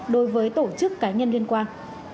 đối với tổ chức cá nhân liên quan